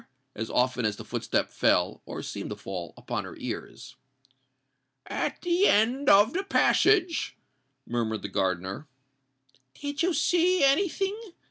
as often as the footstep fell—or seemed to fall—upon her ears. "At the end of the passage——" murmured the gardener. "Do you see any thing?"